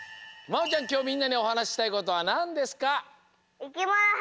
きょうみんなにおはなししたいことはなんですか？